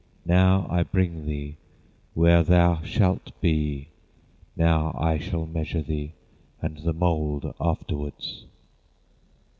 Now I bring thee Where thou shalt be; Now I shall measure thee, And the mould afterwards.